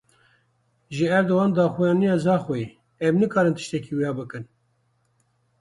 Ji Erdogan daxuyaniya Zaxoyê; Em nikarin tiştekî wiha bikin.